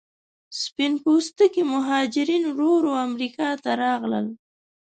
سپین پوستکي مهاجرین ورو ورو امریکا ته راغلل.